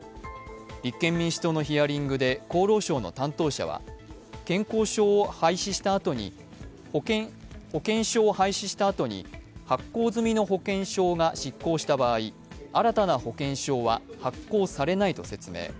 立憲民主党のヒアリングで厚労省の担当者は保険証を廃止したあとに発行済みの保険証が失効した場合、新たな保険証は発行されないと説明。